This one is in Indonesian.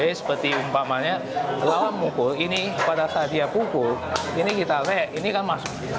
jadi seperti umpamanya lawan memukul ini pada saat dia pukul ini kita le ini kan masuk